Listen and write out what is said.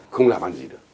không làm ăn gì được